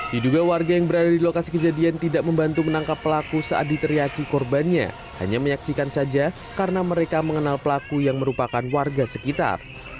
diduga warga yang berada di lokasi kejadian tidak membantu menangkap pelaku saat diteriaki korbannya hanya menyaksikan saja karena mereka mengenal pelaku yang merupakan warga sekitar